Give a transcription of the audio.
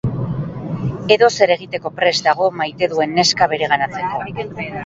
Edozer egiteko prest dago maite duen neska bereganatzeko.